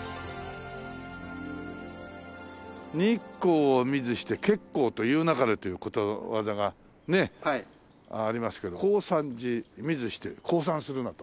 「日光を見ずして結構と言うなかれ」ということわざがねありますけど「耕三寺見ずして降参するな」と。